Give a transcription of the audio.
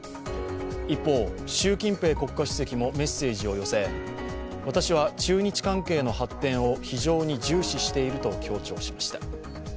一方、習近平国家主席もメッセージを寄せ私は中日関係の発展を非常に重視していると強調しました。